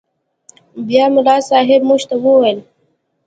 بيا ملا صاحب موږ ته وويل.